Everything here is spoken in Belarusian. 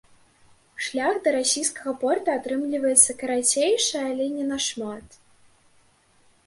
Шлях да расійскага порта атрымліваецца карацейшы, але не нашмат.